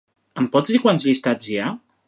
Em pots dir quants llistats hi ha?